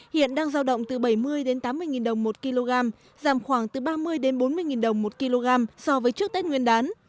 hiện đang giao động từ bảy mươi tám mươi đồng một kg giảm khoảng từ ba mươi bốn mươi đồng một kg so với trước tết nguyên đán